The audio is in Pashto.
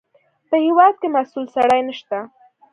په هېواد کې مسوول سړی نشته.